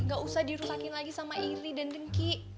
gak usah dirusakin lagi sama iri dan dengki